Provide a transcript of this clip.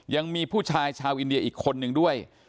ยังมีผู้ชายชาวอินเดียอีกคนนึงด้วย